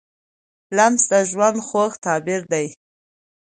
لمسی د ژوند خوږ تعبیر دی.